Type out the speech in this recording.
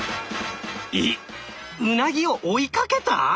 えっウナギを追いかけた！？